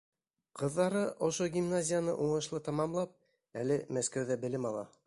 Ҡыҙҙары ошо гимназияны уңышлы тамамлап, әле Мәскәүҙә белем ала.